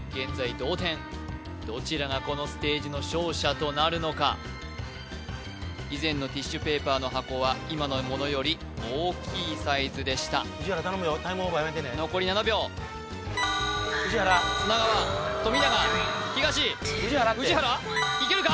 同点どちらがこのステージの勝者となるのか以前のティッシュペーパーの箱は今のものより大きいサイズでした残り７秒砂川富永東宇治原いけるか！？